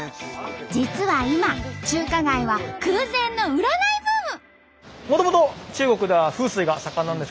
実は今中華街は空前の占いブーム。